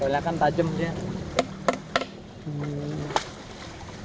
kalau dia kan tajem dia